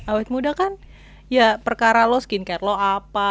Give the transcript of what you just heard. awet muda kan ya perkara lo skincare lo apa